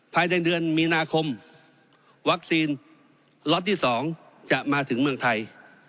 ภายในเดือนมีนาคมวัคซีนล็อตที่๒จะมาถึงเมืองไทย